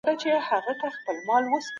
موږ باید د مطالعې لپاره انګېزه پیدا کړو.